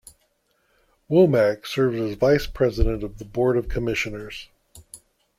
Womack serves as Vice President of the Board of Commissioners.